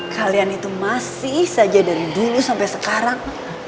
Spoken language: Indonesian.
kalian itu masih saja dari dulu sampai sekarang